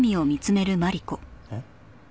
えっ？